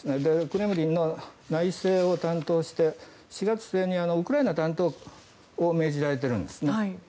クレムリンの内政を担当して４月末にウクライナ担当を命じられているんですね。